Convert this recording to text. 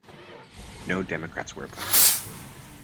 No democrats were appointed.